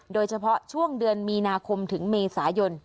โดยเฉพาะช่วงเดือนมีนาคมถึงเมษายน